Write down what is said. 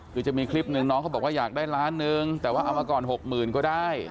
คือจะมีคลิปหนึ่งน้องเขาบอกว่าอยากได้ล้านนึงแต่ว่าเอามาก่อนหกหมื่นก็ได้